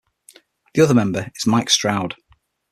The other member is Mike Stroud.